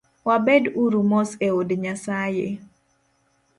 Wabed uru mos eod Nyasaye